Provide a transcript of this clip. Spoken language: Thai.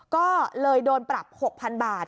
ก็เลยโดนปรับ๖๐๐๐บาท